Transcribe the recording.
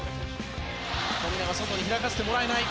富永外に開かせてもらえない。